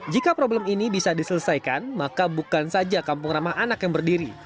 jika problem ini bisa diselesaikan maka bukan saja kampung ramah anak yang berdiri